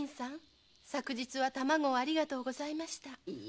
卵をありがとうございました。